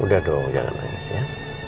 udah dong jangan nangis ya